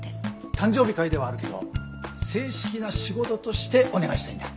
誕生日会ではあるけど正式な仕事としてお願いしたいんだ。